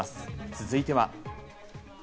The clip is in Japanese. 続いては。